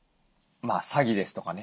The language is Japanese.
詐欺ですとかね